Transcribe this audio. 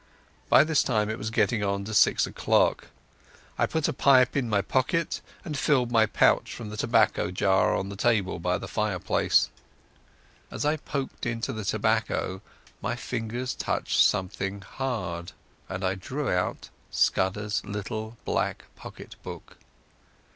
By this time it was getting on for six o'clock. I put a pipe in my pocket and filled my pouch from the tobacco jar on the table by the fireplace. As I poked into the tobacco my fingers touched something hard, and I drew out Scudder's little black pocket book....